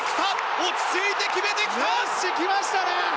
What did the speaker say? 落ち着いて決めてきた！